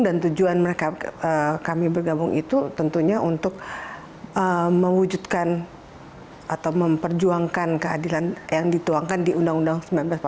dan tujuan kami bergabung itu tentunya untuk mewujudkan atau memperjuangkan keadilan yang dituangkan di undang undang seribu sembilan ratus empat puluh lima